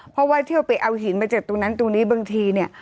เพราะว่าเที่ยวไปเอาหินมาจากตรงนั้นตรงนี้บางทีเนี่ย